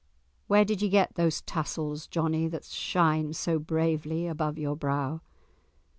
"Where did ye get those tassels, Johnie, that shine so bravely above your brow?"